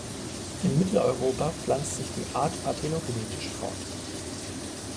In Mitteleuropa pflanzt sich die Art parthenogenetisch fort.